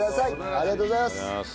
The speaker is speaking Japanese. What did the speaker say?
ありがとうございます！